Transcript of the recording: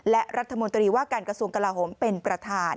และรัฐมนตรีว่าการกระทรวงกลาโหมเป็นประธาน